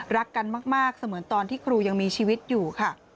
รักกันมากเสมือนตอนที่ครูยังมีชีวิตอยู่ค่ะ